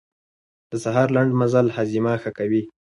د سهار لنډ مزل هاضمه ښه کوي.